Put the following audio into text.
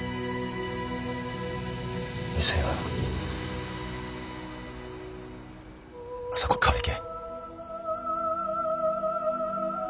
店へは朝ここから行け。